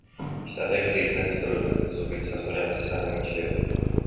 შტატები ძირითადად ისტორიულია, თუმცა ზოგიერთი საზღვარი ამ წესს არ ემორჩილება.